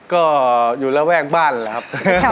ก็อยู่ระแวกบ้านแหละครับ